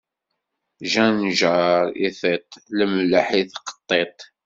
Jjenjaṛ i tiṭ, lemleḥ i tqeṭṭiṭ.